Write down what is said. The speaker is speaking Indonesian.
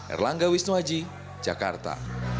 erlangga wisnuwaji jakarta